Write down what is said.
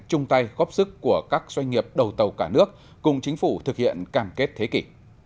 chung tay góp sức của các doanh nghiệp đầu tàu cả nước cùng chính phủ thực hiện cam kết thế kỷ